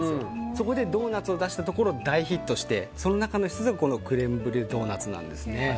そこでドーナツを出したところ大ヒットしてその中の１つがクレームブリュレドーナツです。